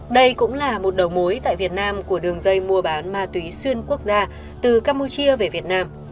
đây cũng là một đầu mối tại việt nam của đường dây mua bán ma túy xuyên quốc gia từ campuchia về việt nam